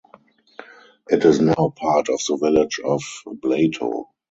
It is now part of the village of Blato.